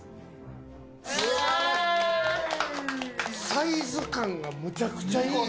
サイズ感がむちゃくちゃいい。